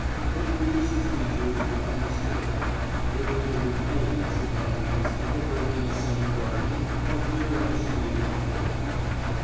But Louisa's features were unmistakable, whether in the Lucullian surroundings of a Berlin summer garden or here on a street in Gibraltar.